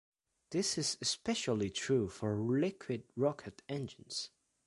This is especially true for liquid rocket engines.